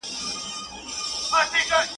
ټوله عمر د عبادت يوه خبره د حقيقت.